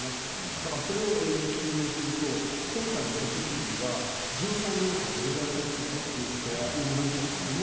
だから、それを究明すると、今回の土石流は、人災の要素がどれぐらい入ってるかということになっちゃうんですよね。